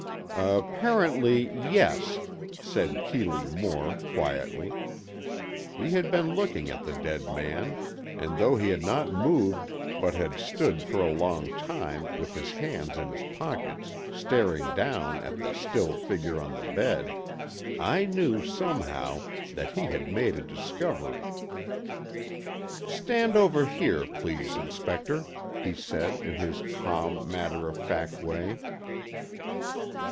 "Apparently yes," said Keeley Moore, quietly. He had been looking at the dead man, and though he had not moved, but had stood for a long time, with his hands in his pockets, staring down at the still figure on the bed, I knew, somehow, that he had made a discovery. "Stand over here, please, Inspector," he said, in his calm, matter of fact way.